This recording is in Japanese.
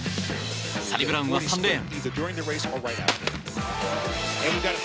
サニブラウンは３レーン。